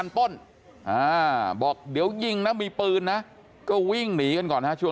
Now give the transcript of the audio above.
เออทองทั้งหมดกี่เส้นครับอ่ายังไม่แน่ใจครับตอนนี้ตำรวจยังไม่แน่ใจครับ